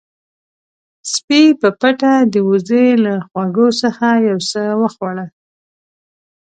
سپی په پټه د وزې له خواږو څخه یو څه وخوړل.